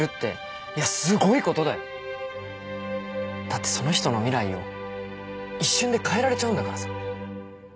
だってその人の未来を一瞬で変えられちゃうんだからさ。